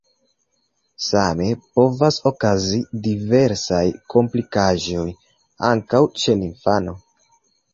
Same povas okazi diversaj komplikaĵoj ankaŭ ĉe la infano.